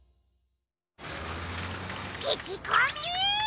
ききこみ！